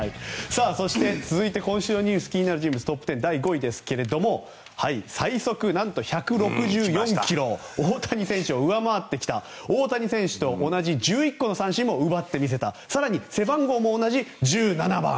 そして続いて、今週のニュース気になる人物トップ１０第５位ですが最速、なんと１６４ｋｍ大谷選手を上回ってきた大谷選手と同じ１１個の三振も奪ってみせた更に背番号も同じ１７番。